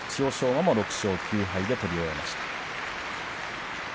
馬も６勝９敗で取り終えました。